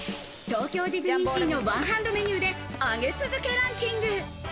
東京ディズニーシーのワンハンドメニューで上げ続けランキング。